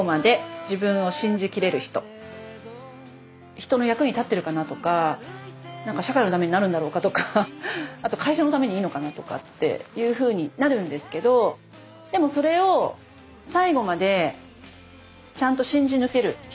人の役に立ってるかなとか社会のためになるんだろうかとかあと会社のためにいいのかなとかっていうふうになるんですけどでもそれを最後までちゃんと信じ抜ける人。